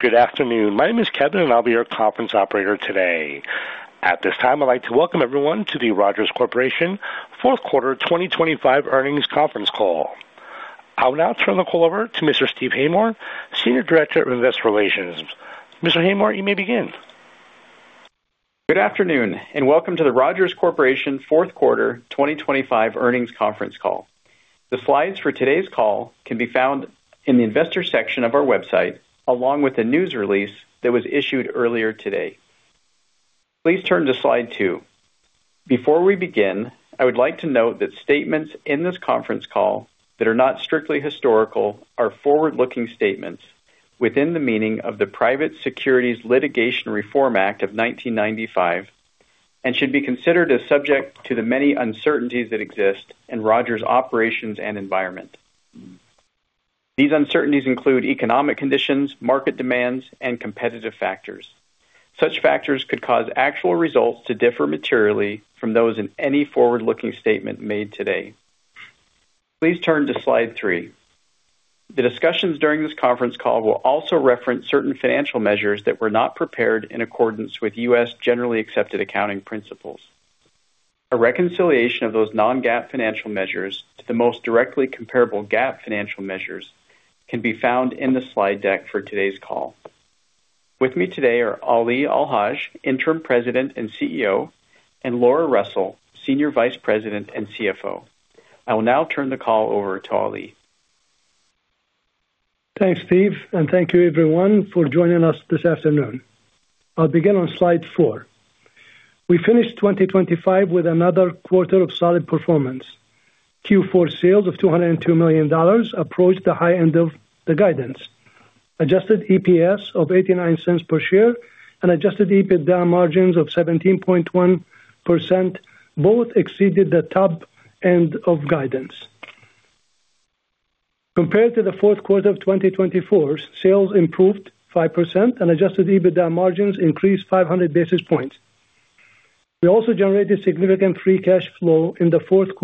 Good afternoon. My name is Kevin, and I'll be your conference operator today. At this time, I'd like to welcome everyone to the Rogers Corporation Q4 2025 earnings conference call. I'll now turn the call over to Mr. Steve Haymore, Senior Director of Investor Relations. Mr. Haymore, you may begin. Good afternoon, and welcome to the Rogers Corporation Q4 2025 earnings conference call. The slides for today's call can be found in the investor section of our website, along with a news release that was issued earlier today. Please turn to slide two. Before we begin, I would like to note that statements in this conference call that are not strictly historical are forward-looking statements within the meaning of the Private Securities Litigation Reform Act of 1995 and should be considered as subject to the many uncertainties that exist in Rogers' operations and environment. These uncertainties include economic conditions, market demands, and competitive factors. Such factors could cause actual results to differ materially from those in any forward-looking statement made today. Please turn to slide three. The discussions during this conference call will also reference certain financial measures that were not prepared in accordance with U.S. generally accepted accounting principles. A reconciliation of those non-GAAP financial measures to the most directly comparable GAAP financial measures can be found in the slide deck for today's call. With me today are Ali El-Haj, Interim President and CEO, and Laura Russell, Senior Vice President and CFO. I will now turn the call over to Ali. Thanks, Steve, and thank you everyone for joining us this afternoon. I'll begin on slide four. We finished 2025 with another quarter of solid performance. Q4 sales of $202 million approached the high end of the guidance. Adjusted EPS of $0.89 per share and adjusted EBITDA margins of 17.1% both exceeded the top end of guidance. Compared to the Q4 of 2024, sales improved 5% and adjusted EBITDA margins increased 500 basis points. We also generated significant free cash flow in the Q4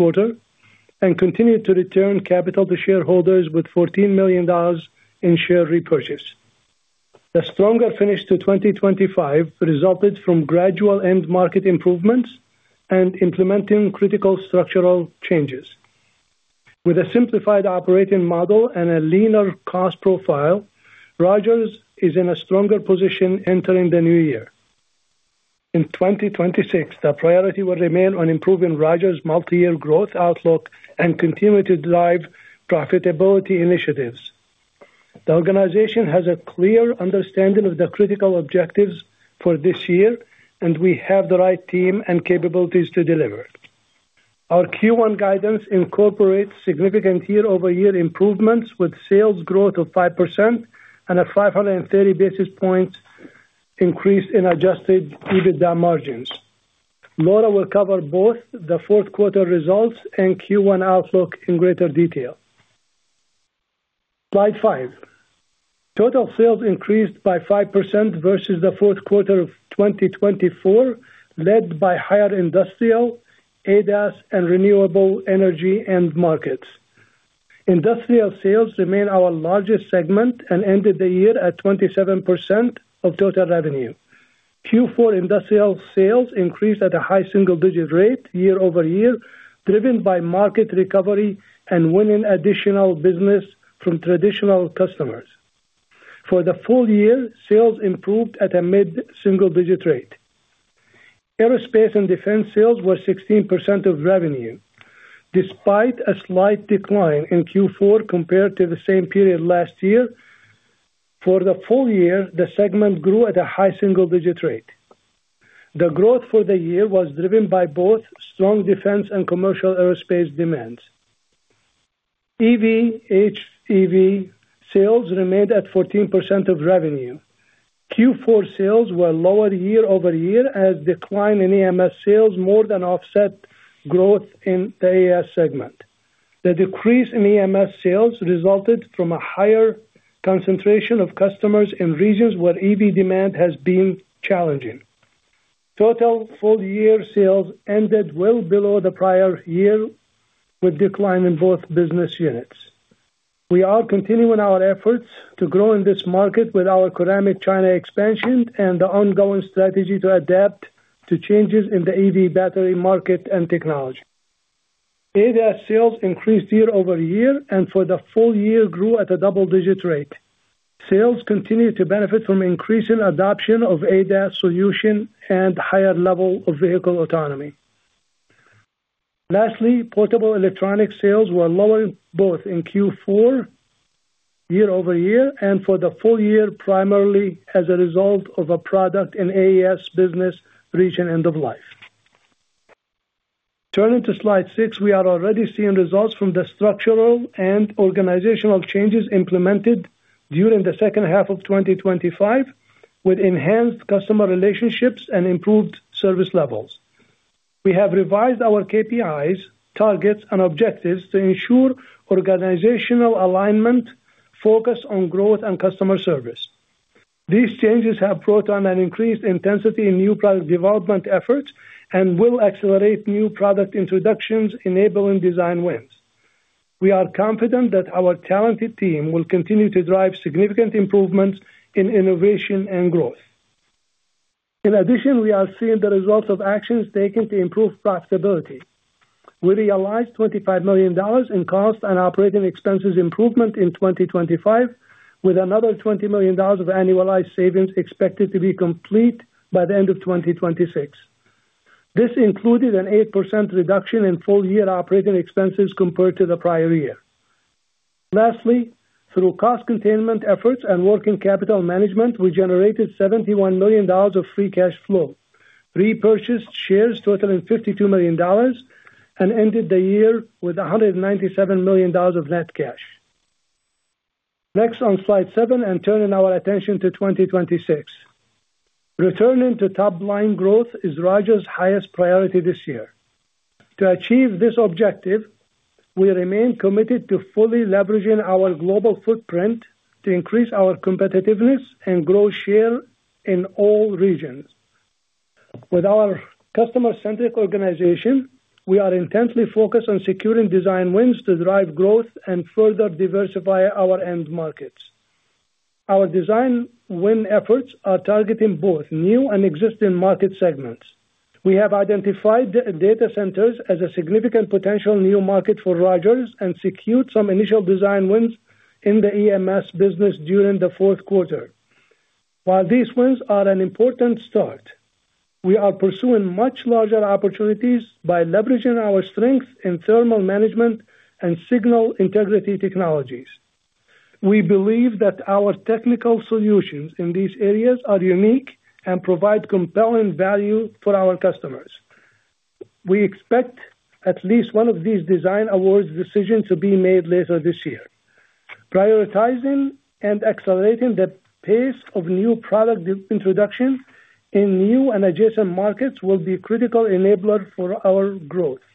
and continued to return capital to shareholders with $14 million in share repurchase. The stronger finish to 2025 resulted from gradual end market improvements and implementing critical structural changes. With a simplified operating model and a leaner cost profile, Rogers is in a stronger position entering the new year. In 2026, the priority will remain on improving Rogers' multi-year growth outlook and continue to drive profitability initiatives. The organization has a clear understanding of the critical objectives for this year, and we have the right team and capabilities to deliver. Our Q1 guidance incorporates significant year-over-year improvements, with sales growth of 5% and a 530 basis points increase in adjusted EBITDA margins. Laura will cover both the Q4 results and Q1 outlook in greater detail. Slide five. Total sales increased by 5% versus the Q4 of 2024, led by higher industrial, ADAS and renewable energy end markets. Industrial sales remain our largest segment and ended the year at 27% of total revenue. Q4 industrial sales increased at a high single-digit rate year over year, driven by market recovery and winning additional business from traditional customers. For the full year, sales improved at a mid-single-digit rate. Aerospace and Defense sales were 16% of revenue, despite a slight decline in Q4 compared to the same period last year. For the full year, the segment grew at a high single-digit rate. The growth for the year was driven by both strong defense and commercial aerospace demands. EV, HEV sales remained at 14% of revenue. Q4 sales were lower year-over-year as decline in EMS sales more than offset growth in the AES segment. The decrease in EMS sales resulted from a higher concentration of customers in regions where EV demand has been challenging. Total full-year sales ended well below the prior year, with decline in both business units. We are continuing our efforts to grow in this market with our Curamik China expansion and the ongoing strategy to adapt to changes in the EV battery market and technology. ADAS sales increased year-over-year and for the full year grew at a double-digit rate. Sales continue to benefit from increasing adoption of ADAS solution and higher level of vehicle autonomy. Lastly, portable electronic sales were lower, both in Q4 year-over-year and for the full year, primarily as a result of a product in AES business reaching end of life. Turning to slide six, we are already seeing results from the structural and organizational changes implemented during the second half of 2025, with enhanced customer relationships and improved service levels. We have revised our KPIs, targets, and objectives to ensure organizational alignment, focus on growth and customer service. These changes have brought on an increased intensity in new product development efforts and will accelerate new product introductions, enabling design wins. We are confident that our talented team will continue to drive significant improvements in innovation and growth. In addition, we are seeing the results of actions taken to improve profitability. We realized $25 million in cost and operating expenses improvement in 2025, with another $20 million of annualized savings expected to be complete by the end of 2026. This included an 8% reduction in full year operating expenses compared to the prior year. Lastly, through cost containment efforts and working capital management, we generated $71 million of free cash flow, repurchased shares totaling $52 million, and ended the year with $197 million of net cash. Next, on slide seven, and turning our attention to 2026. Returning to top-line growth is Rogers' highest priority this year. To achieve this objective, we remain committed to fully leveraging our global footprint to increase our competitiveness and grow share in all regions. With our customer-centric organization, we are intensely focused on securing design wins to drive growth and further diversify our end markets. Our design win efforts are targeting both new and existing market segments. We have identified data centers as a significant potential new market for Rogers and secured some initial design wins in the EMS business during the Q4. While these wins are an important start, we are pursuing much larger opportunities by leveraging our strength in thermal management and signal integrity technologies. We believe that our technical solutions in these areas are unique and provide compelling value for our customers. We expect at least one of these design awards decisions to be made later this year. Prioritizing and accelerating the pace of new product introduction in new and adjacent markets will be a critical enabler for our growth.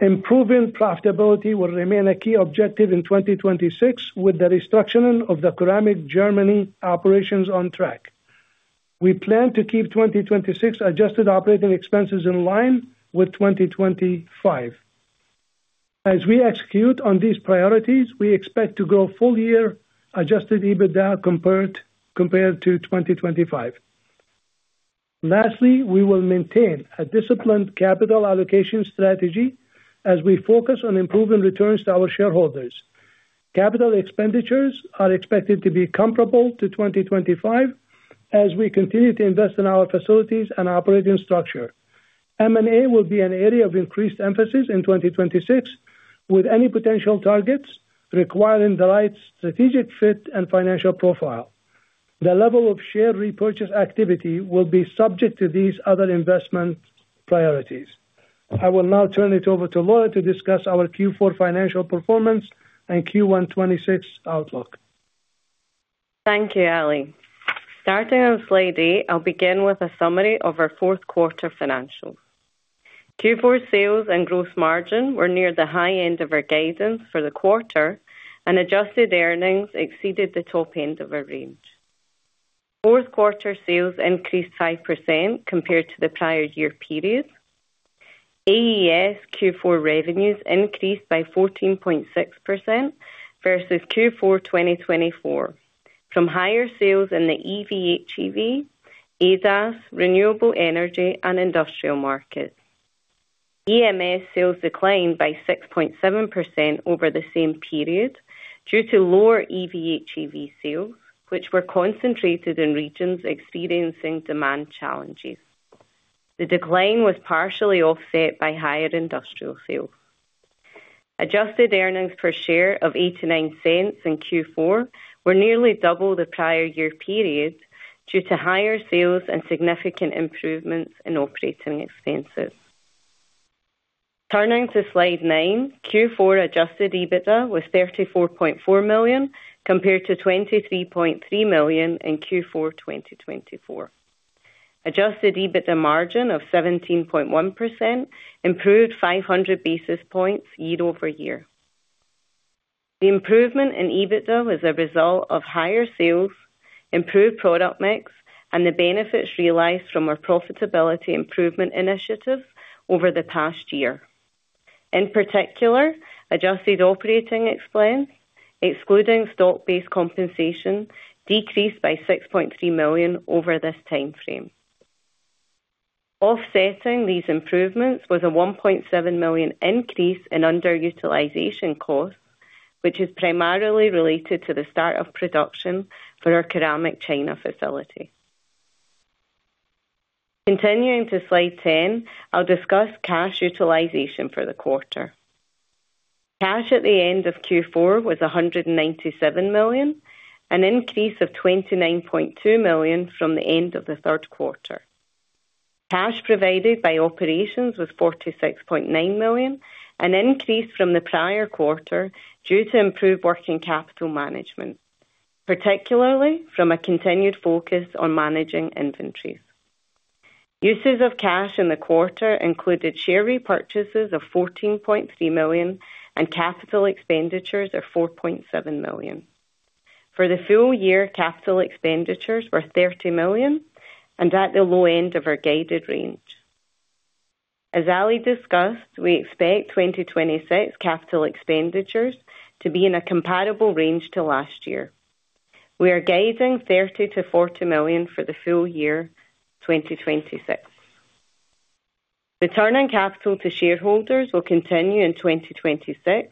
Improving profitability will remain a key objective in 2026, with the restructuring of the Curamik Germany operations on track. We plan to keep 2026 adjusted operating expenses in line with 2025. As we execute on these priorities, we expect to grow full year adjusted EBITDA compared to 2025. Lastly, we will maintain a disciplined capital allocation strategy as we focus on improving returns to our shareholders. Capital expenditures are expected to be comparable to 2025 as we continue to invest in our facilities and operating structure. M&A will be an area of increased emphasis in 2026, with any potential targets requiring the right strategic fit and financial profile. The level of share repurchase activity will be subject to these other investment priorities. I will now turn it over to Laura to discuss our Q4 financial performance and Q1 2026 outlook. Thank you, Ali. Starting on slide eight, I'll begin with a summary of our Q4 financials. Q4 sales and gross margin were near the high end of our guidance for the quarter, and adjusted earnings exceeded the top end of our range. Q4 sales increased 5% compared to the prior year period. AES Q4 revenues increased by 14.6% versus Q4 2024, from higher sales in the EV/HEV, ADAS, renewable energy and industrial markets. EMS sales declined by 6.7% over the same period due to lower EV/HEV sales, which were concentrated in regions experiencing demand challenges. The decline was partially offset by higher industrial sales. Adjusted earnings per share of $0.89 in Q4 were nearly double the prior year period, due to higher sales and significant improvements in operating expenses. Turning to slide nine, Q4 adjusted EBITDA was $34.4 million, compared to $23.3 million in Q4 2024. Adjusted EBITDA margin of 17.1% improved 500 basis points year-over-year. The improvement in EBITDA was a result of higher sales, improved product mix, and the benefits realized from our profitability improvement initiative over the past year. In particular, adjusted operating expense, excluding stock-based compensation, decreased by $6.3 million over this time frame. Offsetting these improvements was a $1.7 million increase in underutilization costs, which is primarily related to the start of production for our Curamik China facility. Continuing to slide 10, I'll discuss cash utilization for the quarter. Cash at the end of Q4 was $197 million, an increase of $29.2 million from the end of the Q3. Cash provided by operations was $46.9 million, an increase from the prior quarter due to improved working capital management, particularly from a continued focus on managing inventories. Uses of cash in the quarter included share repurchases of $14.3 million and capital expenditures of $4.7 million. For the full year, capital expenditures were $50 million and at the low end of our guided range. As Ali discussed, we expect 2026 capital expenditures to be in a comparable range to last year. We are guiding $30 million-$40 million for the full year 2026. Returning capital to shareholders will continue in 2026,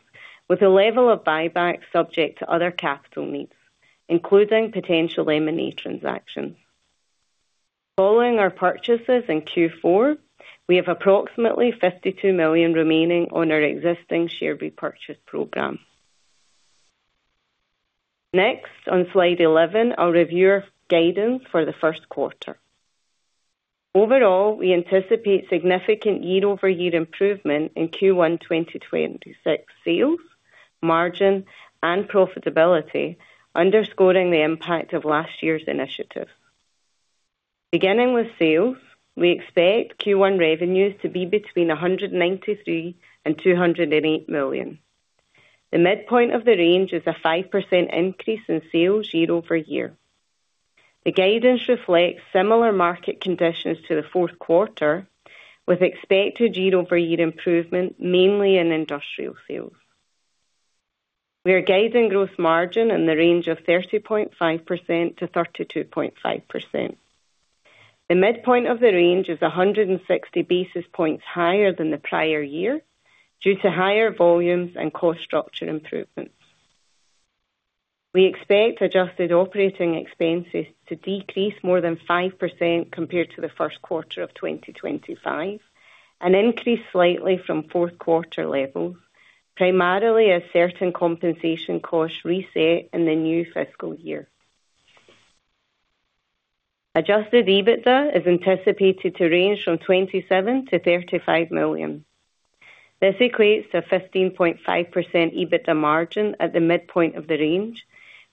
with a level of buyback subject to other capital needs, including potential M&A transactions. Following our purchases in Q4, we have approximately $52 million remaining on our existing share repurchase program. Next, on slide 11, I'll review our guidance for the Q1. Overall, we anticipate significant year-over-year improvement in Q1 2026 sales, margin, and profitability, underscoring the impact of last year's initiative. Beginning with sales, we expect Q1 revenues to be between $193 million and $208 million. The midpoint of the range is a 5% increase in sales year over year. The guidance reflects similar market conditions to the Q4, with expected year-over-year improvement, mainly in industrial sales. We are guiding gross margin in the range of 30.5%-32.5%. The midpoint of the range is 160 basis points higher than the prior year due to higher volumes and cost structure improvements. We expect adjusted operating expenses to decrease more than 5% compared to the Q1 of 2025 and increase slightly from Q4 levels, primarily as certain compensation costs reset in the new fiscal year. Adjusted EBITDA is anticipated to range from $27 million-$35 million. This equates to a 15.5% EBITDA margin at the midpoint of the range,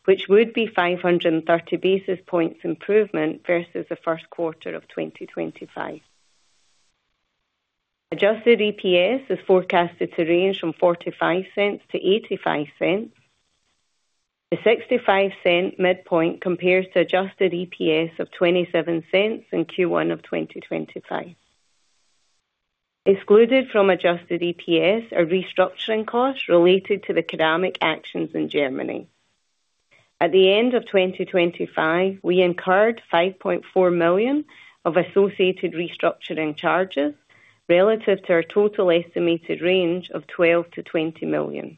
which would be 530 basis points improvement versus the Q1 of 2025. Adjusted EPS is forecasted to range from $0.45-$0.85. The $0.65 midpoint compares to adjusted EPS of $0.27 in Q1 of 2025. Excluded from adjusted EPS are restructuring costs related to the Curamik actions in Germany. At the end of 2025, we incurred $5.4 million of associated restructuring charges relative to our total estimated range of $12 million-$20 million.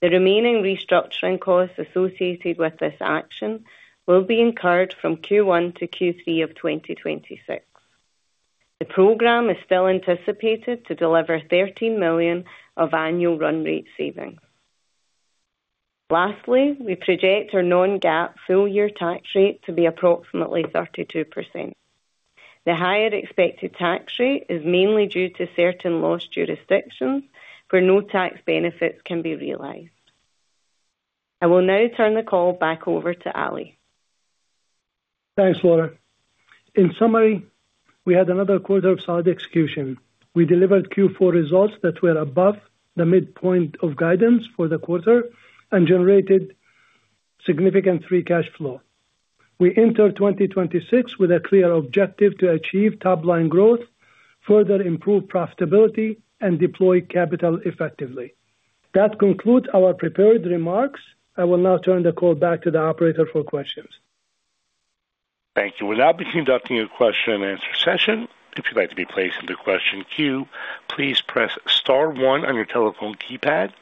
The remaining restructuring costs associated with this action will be incurred from Q1 to Q3 of 2026. The program is still anticipated to deliver $13 million of annual run rate savings. Lastly, we project our non-GAAP full year tax rate to be approximately 32%. The higher expected tax rate is mainly due to certain loss jurisdictions where no tax benefits can be realized. I will now turn the call back over to Ali. Thanks, Laura. In summary, we had another quarter of solid execution. We delivered Q4 results that were above the midpoint of guidance for the quarter and generated significant free cash flow. We enter 2026 with a clear objective to achieve top-line growth, further improve profitability, and deploy capital effectively. That concludes our prepared remarks. I will now turn the call back to the operator for questions. Thank you. We'll now be conducting a question-and-answer session. If you'd like to be placed in the question queue, please press star one on your telephone keypad.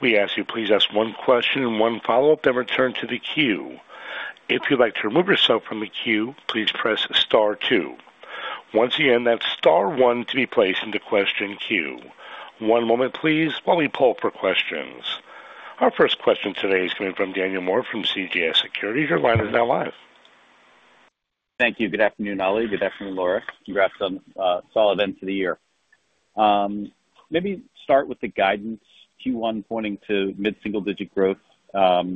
We ask you please ask one question and one follow-up, then return to the queue. If you'd like to remove yourself from the queue, please press star two. Once again, that's star one to be placed into question queue. One moment please, while we poll for questions. Our first question today is coming from Daniel Moore from CJS Securities. Your line is now live. Thank you. Good afternoon, Ali. Good afternoon, Laura. Congrats on solid end to the year. Maybe start with the guidance, Q1 pointing to mid-single-digit growth. I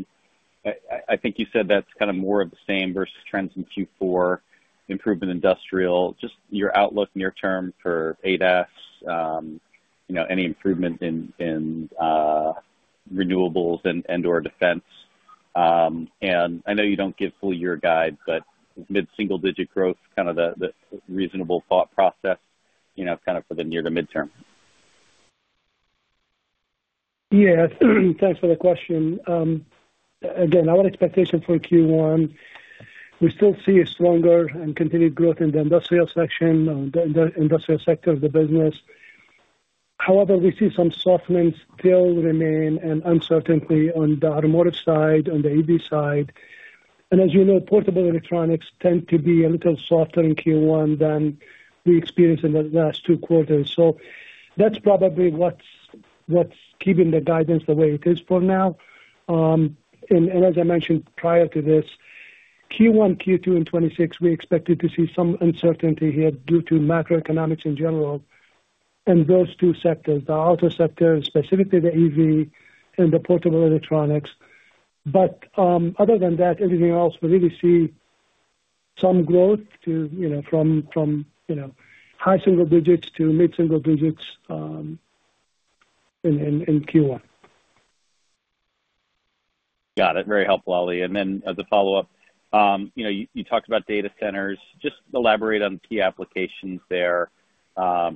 think you said that's kind of more of the same versus trends in Q4, improvement industrial, just your outlook near term for ADAS, you know, any improvement in renewables and/or defense. And I know you don't give full year guide, but mid-single-digit growth, kind of the reasonable thought process, you know, kind of for the near to midterm? Yeah, thanks for the question. Again, our expectation for Q1, we still see a stronger and continued growth in the industrial section, the industrial sector of the business. However, we see some softening still remain and uncertainty on the automotive side, on the EV side. And as you know, portable electronics tend to be a little softer in Q1 than we experienced in the last two quarters. So that's probably what's keeping the guidance the way it is for now. And as I mentioned prior to this, Q1, Q2 in 2026, we expected to see some uncertainty here due to macroeconomics in general in those two sectors, the auto sector, and specifically the EV and the portable electronics. But, other than that, everything else we really see-... some growth to, you know, from high single digits to mid-single digits in Q1. Got it. Very helpful, Ali. And then as a follow-up, you know, you talked about data centers. Just elaborate on key applications there,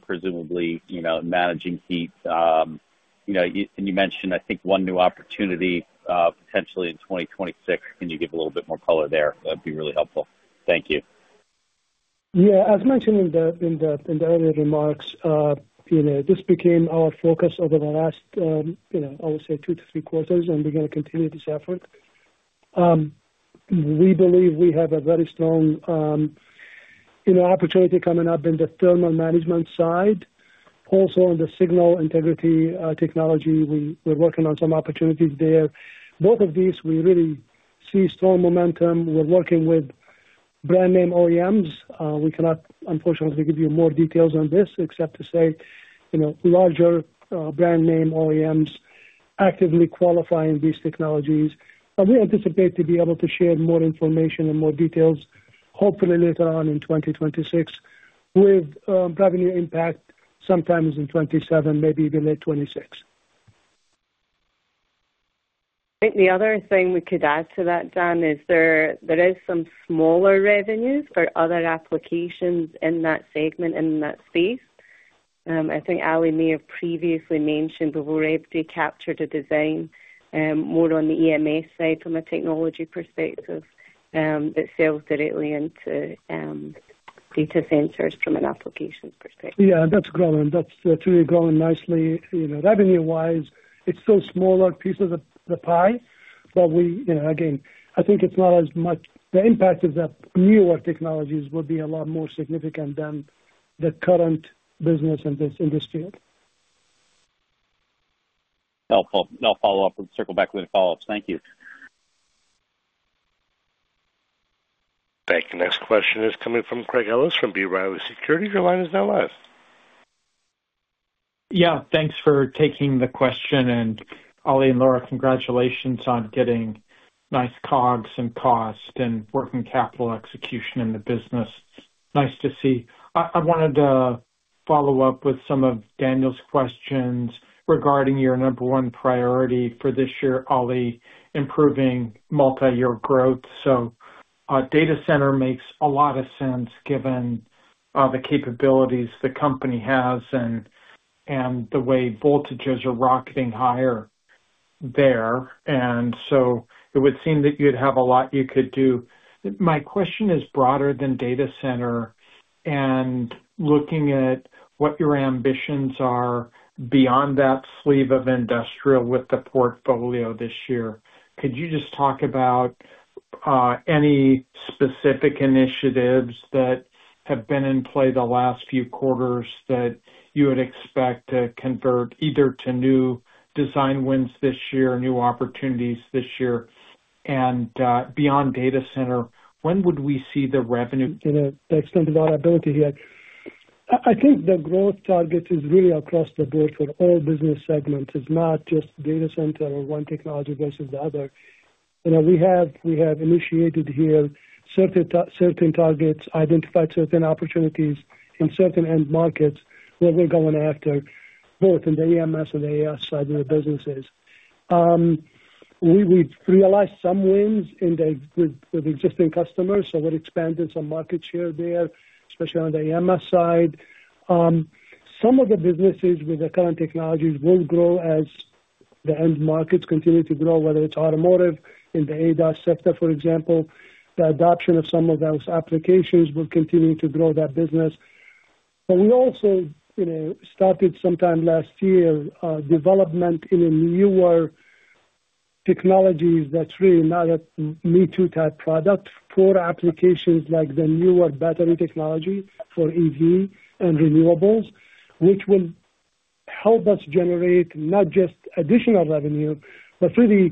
presumably, you know, managing heat. You know, and you mentioned, I think, one new opportunity, potentially in 2026. Can you give a little bit more color there? That'd be really helpful. Thank you. Yeah. As mentioned in the earlier remarks, you know, this became our focus over the last, you know, I would say two to three quarters, and we're gonna continue this effort. We believe we have a very strong, you know, opportunity coming up in the thermal management side. Also, on the signal integrity technology, we're working on some opportunities there. Both of these, we really see strong momentum. We're working with brand name OEMs. We cannot, unfortunately, give you more details on this except to say, you know, larger brand name OEMs actively qualifying these technologies. But we anticipate to be able to share more information and more details, hopefully later on in 2026, with revenue impact sometimes in 2027, maybe even late 2026. I think the other thing we could add to that, Dan, is that there is some smaller revenues for other applications in that segment, in that space. I think Ali may have previously mentioned, we've already captured a design, more on the EMS side from a technology perspective, that sells directly into data centers from an application perspective. Yeah, that's growing. That's truly growing nicely. You know, revenue-wise, it's still a smaller piece of the pie, but we, you know, again, I think it's not as much... The impact of the newer technologies will be a lot more significant than the current business in this industry. I'll follow up and circle back with the follow-ups. Thank you. Thank you. Next question is coming from Craig Ellis from B. Riley Securities. Your line is now live. Yeah, thanks for taking the question. And Ali and Laura, congratulations on getting nice COGS and cost and working capital execution in the business. Nice to see. I wanted to follow up with some of Daniel's questions regarding your number one priority for this year, Ali, improving multi-year growth. So, data center makes a lot of sense given the capabilities the company has and the way voltages are rocketing higher there. And so it would seem that you'd have a lot you could do. My question is broader than data center and looking at what your ambitions are beyond that sleeve of industrial with the portfolio this year. Could you just talk about any specific initiatives that have been in play the last few quarters that you would expect to convert either to new design wins this year, new opportunities this year, and beyond data center, when would we see the revenue? You know, the extent of our ability here. I think the growth target is really across the board for all business segments. It's not just data center or one technology versus the other. You know, we have initiated here certain targets, identified certain opportunities in certain end markets where we're going after both in the EMS and AES side of the businesses. We've realized some wins with existing customers, so we've expanded some market share there, especially on the AES side. Some of the businesses with the current technologies will grow as the end markets continue to grow, whether it's automotive in the ADAS sector, for example, the adoption of some of those applications will continue to grow that business. But we also, you know, started sometime last year, development in a newer technologies that's really not a me-too type product for applications like the newer battery technology for EV and renewables, which will help us generate not just additional revenue, but really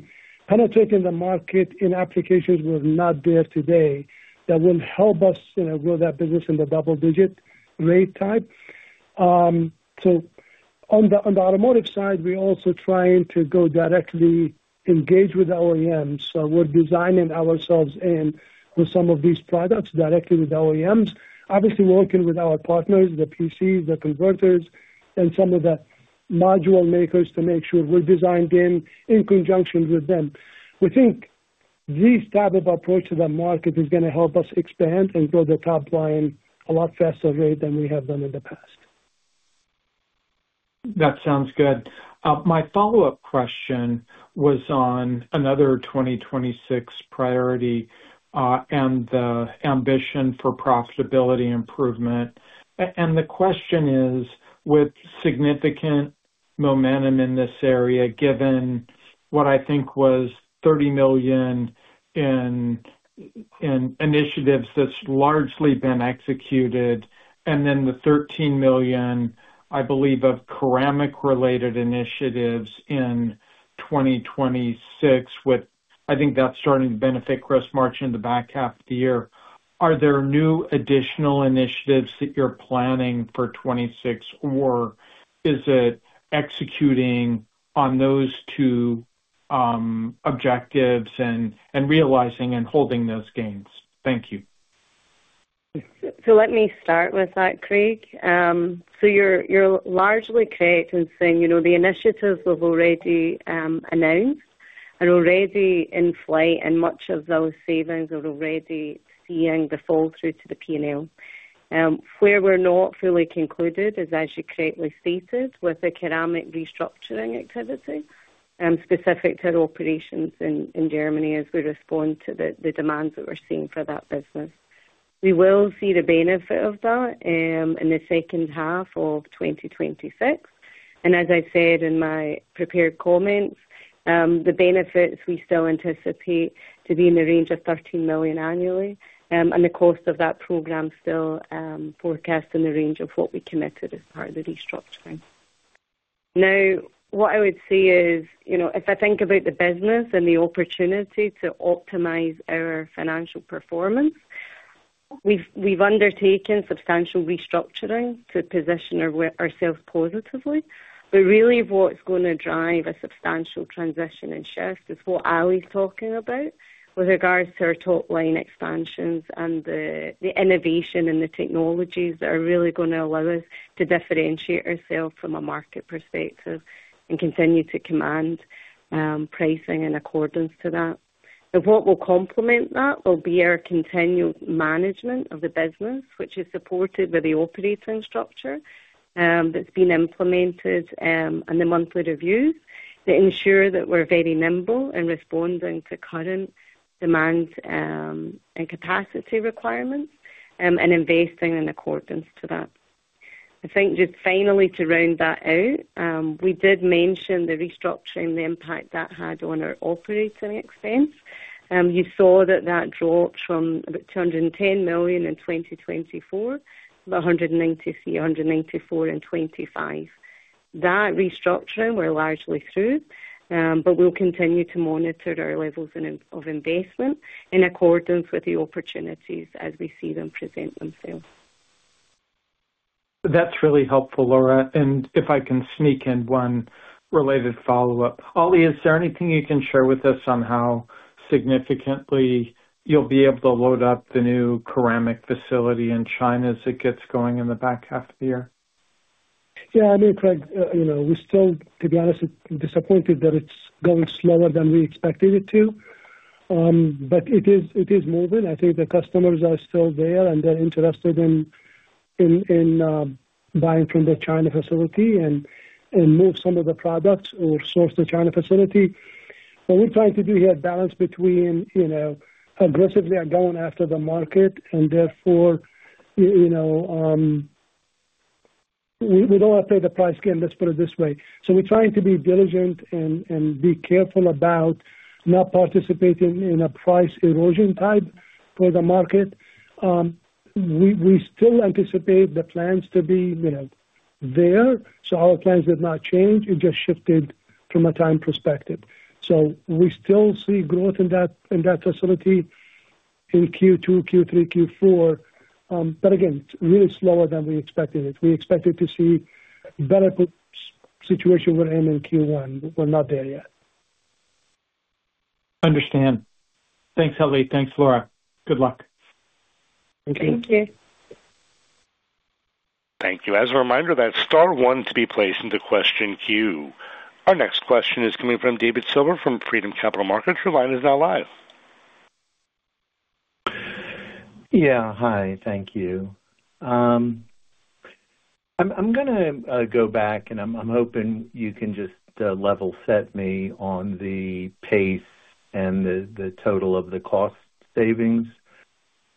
penetrate in the market in applications we're not there today, that will help us, you know, grow that business in the double-digit rate type. So on the, on the automotive side, we're also trying to go directly engage with OEMs, so we're designing ourselves in with some of these products directly with OEMs. Obviously, working with our partners, the PCs, the converters, and some of the module makers to make sure we're designed in, in conjunction with them. We think this type of approach to the market is gonna help us expand and grow the top line a lot faster rate than we have done in the past. That sounds good. My follow-up question was on another 2026 priority, and the ambition for profitability improvement. And the question is, with significant momentum in this area, given what I think was $30 million in initiatives that's largely been executed, and then the $13 million, I believe, of Curamik-related initiatives in 2026, with, I think that's starting to benefit gross margin in the back half of the year. Are there new additional initiatives that you're planning for 2026, or is it executing on those two objectives and realizing and holding those gains. Thank you. So let me start with that, Craig. So you're largely correct in saying, you know, the initiatives we've already announced are already in flight, and much of those savings are already seeing the fall through to the P&L. Where we're not fully concluded is, as you correctly stated, with the Curamik restructuring activity, specific to our operations in Germany, as we respond to the demands that we're seeing for that business. We will see the benefit of that, in the second half of 2026. And as I said in my prepared comments, the benefits we still anticipate to be in the range of $13 million annually, and the cost of that program still forecast in the range of what we committed as part of the restructuring. Now, what I would say is, you know, if I think about the business and the opportunity to optimize our financial performance, we've undertaken substantial restructuring to position ourselves positively. But really, what's going to drive a substantial transition and shift is what Ali's talking about with regards to our top-line expansions and the innovation and the technologies that are really gonna allow us to differentiate ourselves from a market perspective and continue to command pricing in accordance to that. But what will complement that will be our continued management of the business, which is supported by the operating structure that's been implemented and the monthly reviews that ensure that we're very nimble in responding to current demands and capacity requirements and investing in accordance to that. I think just finally, to round that out, we did mention the restructuring, the impact that had on our operating expense. You saw that that dropped from about $210 million in 2024 to $193-$194 million in 2025. That restructuring, we're largely through, but we'll continue to monitor our levels in, of investment in accordance with the opportunities as we see them present themselves. That's really helpful, Laura. If I can sneak in one related follow-up. Ali, is there anything you can share with us on how significantly you'll be able to load up the new Curamik facility in China as it gets going in the back half of the year? Yeah, I mean, Craig, you know, we're still, to be honest, disappointed that it's going slower than we expected it to. But it is, it is moving. I think the customers are still there, and they're interested in buying from the China facility and move some of the products or source the China facility. What we're trying to do here, balance between, you know, aggressively going after the market and therefore, you know, we don't want to play the price game, let's put it this way. So we're trying to be diligent and be careful about not participating in a price erosion type for the market. We still anticipate the plans to be, you know, there, so our plans have not changed. It just shifted from a time perspective. So we still see growth in that, in that facility in Q2, Q3, Q4. But again, it's really slower than we expected it. We expected to see better situation with them in Q1. We're not there yet. Understand. Thanks, Ali. Thanks, Laura. Good luck. Thank you. Thank you. Thank you. As a reminder, that's star one to be placed into question queue. Our next question is coming from David Silver, from Freedom Capital Markets. Your line is now live. Yeah. Hi, thank you. I'm, I'm gonna go back, and I'm, I'm hoping you can just level set me on the pace and the, the total of the cost savings.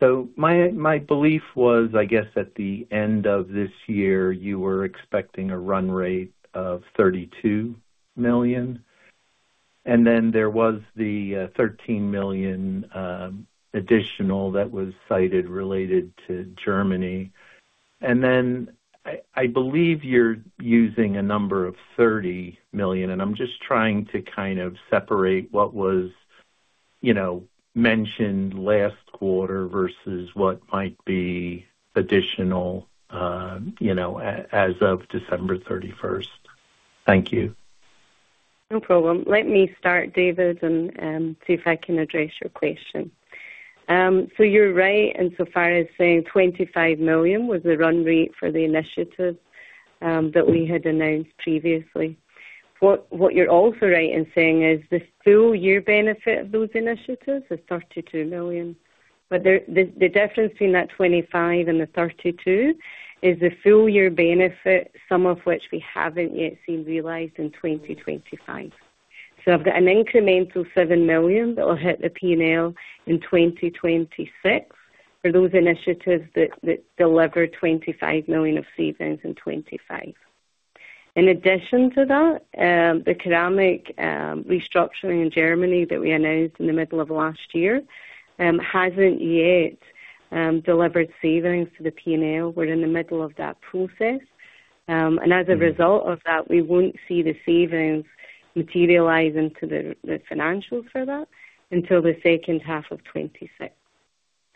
So my, my belief was, I guess, at the end of this year, you were expecting a run rate of $32 million, and then there was the thirteen million additional that was cited related to Germany. And then I, I believe you're using a number of $30 million, and I'm just trying to kind of separate what was, you know, mentioned last quarter versus what might be additional, you know, as of December 31. Thank you. No problem. Let me start, David, and see if I can address your question. So you're right in so far as saying $25 million was the run rate for the initiative that we had announced previously. What you're also right in saying is the full year benefit of those initiatives is $32 million. But the difference between that 25 and the 32 is the full year benefit, some of which we haven't yet seen realized in 2025. So I've got an incremental $7 million that will hit the P&L in 2026 for those initiatives that deliver $25 million of savings in 2025. In addition to that, the Curamik restructuring in Germany that we announced in the middle of last year hasn't yet delivered savings to the P&L. We're in the middle of that process. And as a result of that, we won't see the savings materialize into the financials for that until the second half of 2026.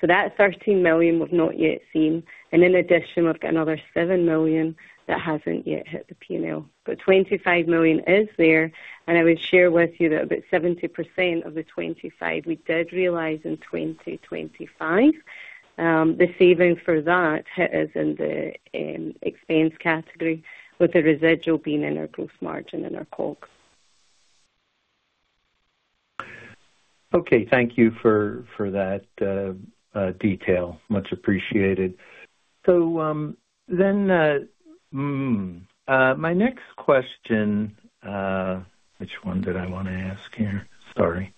So that $13 million we've not yet seen, and in addition, we've got another $7 million that hasn't yet hit the P&L. But $25 million is there, and I would share with you that about 70% of the 25 we did realize in 2025. The savings for that hit us in the expense category, with the residual being in our gross margin and our COGS. Okay, thank you for that detail. Much appreciated. So, then, my next question, which one did I want to ask here? Sorry.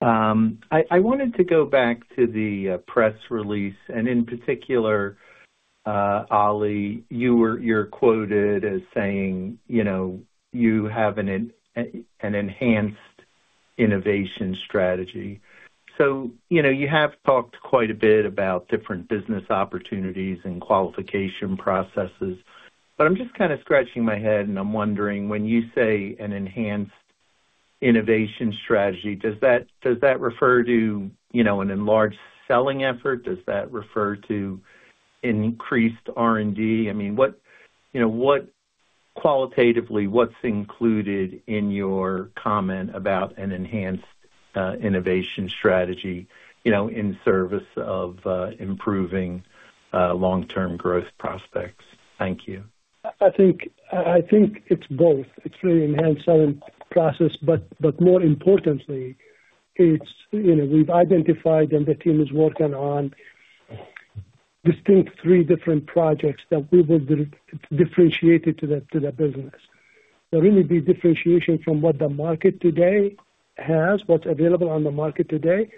I wanted to go back to the press release, and in particular, Ali, you were—you're quoted as saying, you know, you have an enhanced innovation strategy. So, you know, you have talked quite a bit about different business opportunities and qualification processes, but I'm just kind of scratching my head, and I'm wondering, when you say an enhanced innovation strategy, does that refer to, you know, an enlarged selling effort? Does that refer to increased R&D? I mean, what, you know, what... qualitatively, what's included in your comment about an enhanced innovation strategy, you know, in service of improving long-term growth prospects? Thank you. I think, I think it's both. It's really enhanced selling process, but more importantly, it's, you know, we've identified and the team is working on distinct three different projects that we will be differentiated to the, to the business. There really be differentiation from what the market today has, what's available on the market today,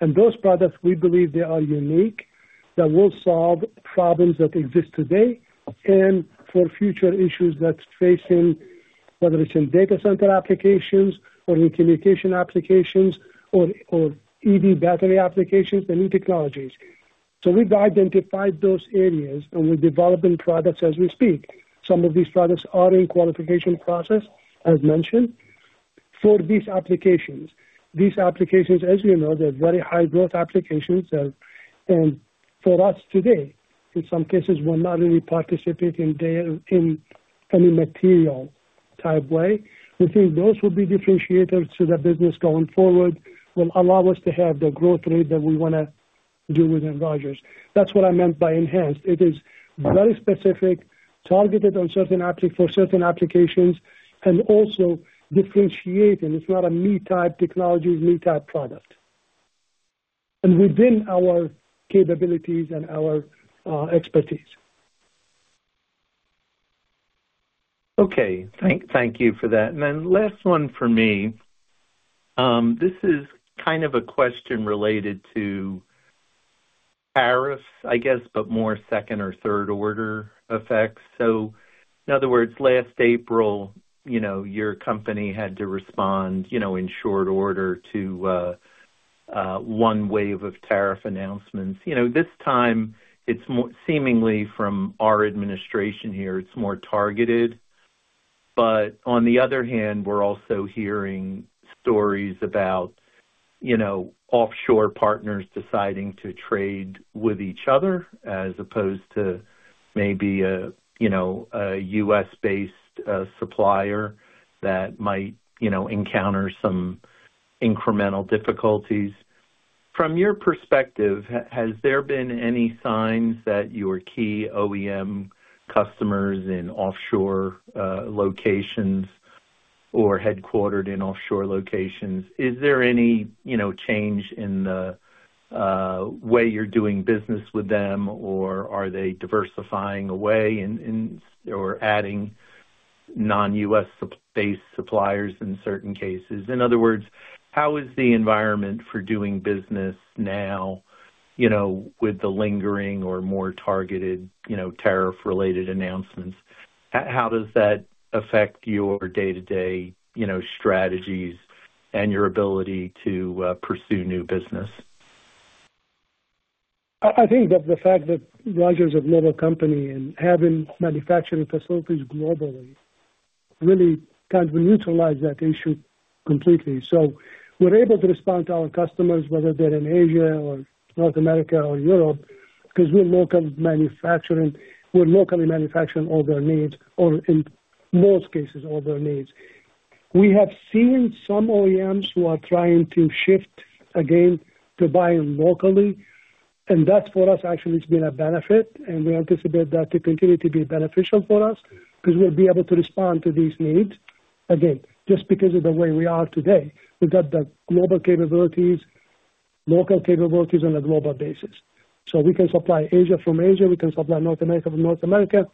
and those products, we believe they are unique, that will solve problems that exist today and for future issues that's facing, whether it's in data center applications or communication applications or EV battery applications and new technologies. So we've identified those areas and we're developing products as we speak. Some of these products are in qualification process, as mentioned, for these applications. These applications, as you know, they're very high growth applications. And for us today, in some cases, we're not really participating there in any material type way. We think those will be differentiators to the business going forward, will allow us to have the growth rate that we want to do with Rogers. That's what I meant by enhanced. It is very specific, targeted for certain applications, and also differentiating. It's not a me-too type technology, me-too type product, and within our capabilities and our expertise. Okay. Thank you for that. And then last one for me. This is kind of a question related to tariffs, I guess, but more second or third order effects. So in other words, last April, you know, your company had to respond, you know, in short order to one wave of tariff announcements. You know, this time it's more, seemingly from our administration here, it's more targeted. But on the other hand, we're also hearing stories about, you know, offshore partners deciding to trade with each other as opposed to maybe a, you know, a U.S.-based supplier that might, you know, encounter some incremental difficulties. From your perspective, has there been any signs that your key OEM customers in offshore locations or headquartered in offshore locations, is there any, you know, change in the way you're doing business with them, or are they diversifying away in, or adding non-US supply-based suppliers in certain cases? In other words, how is the environment for doing business now, you know, with the lingering or more targeted, you know, tariff-related announcements, how does that affect your day-to-day, you know, strategies and your ability to pursue new business? I, I think that the fact that Rogers is a global company and having manufacturing facilities globally really kind of neutralize that issue completely. So we're able to respond to our customers, whether they're in Asia or North America or Europe, because we're local manufacturing, we're locally manufacturing all their needs, or in most cases, all their needs. We have seen some OEMs who are trying to shift again to buying locally, and that for us, actually, it's been a benefit, and we anticipate that to continue to be beneficial for us because we'll be able to respond to these needs. Again, just because of the way we are today, we've got the global capabilities, local capabilities on a global basis. So we can supply Asia from Asia, we can supply North America from North America,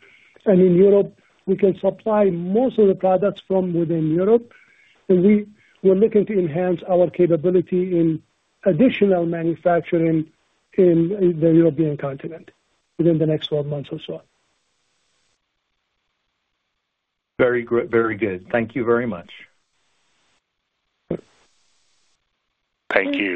and in Europe, we can supply most of the products from within Europe. We're looking to enhance our capability in additional manufacturing in the European continent within the next 12 months or so. Very good. Very good. Thank you very much. Thank you.